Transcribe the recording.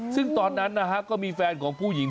ซึ่งตอนนั้นนะฮะก็มีแฟนของผู้หญิง